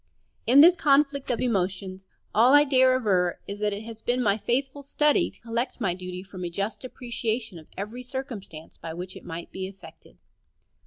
In this conflict of emotions all I dare aver is that it has been my faithful study to collect my duty from a just appreciation of every circumstance by which it might be affected.